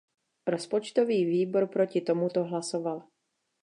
Rozpočtový výbor proti tomuto hlasoval.